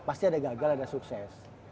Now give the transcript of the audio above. pasti ada gagal ada sukses